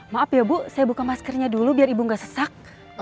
maaf ya bu saya buka maskernya dulu biar ibu nggak sesak